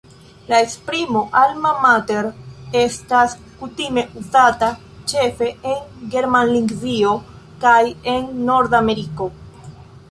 La esprimo "Alma mater" estas kutime uzata ĉefe en Germanlingvio kaj en Nordameriko.